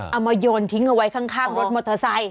เอามาโยนทิ้งเอาไว้ข้างรถมอเตอร์ไซค